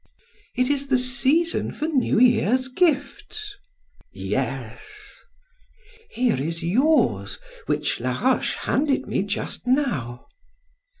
"It is the season for New Year's gifts." "Yes." "Here is yours, which Laroche handed me just now."